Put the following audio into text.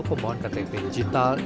pembawaan ktp digital